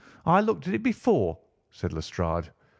I looked at it before," said Lestrade.